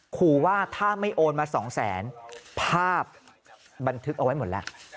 ขอว่าถ้าไม่โอนมาสองแสนภาพบันทึกเอาไว้หมดแล้ว